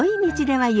はい。